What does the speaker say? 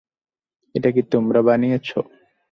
এটা কি তোমরা বানিয়েছ?